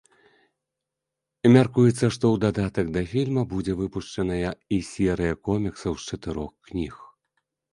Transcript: Мяркуецца, што ў дадатак да фільма будзе выпушчаная і серыя коміксаў з чатырох кніг.